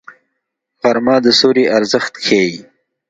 غرمه د سیوري ارزښت ښيي